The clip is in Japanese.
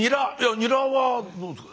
ニラはどうですか？